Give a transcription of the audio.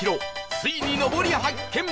ついにのぼり発見！